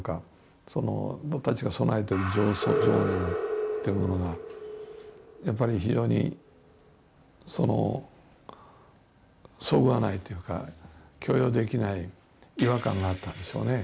僕たちが備えてる「情操」「情念」というものがやっぱり非常にそぐわないというか許容できない違和感があったんでしょうね。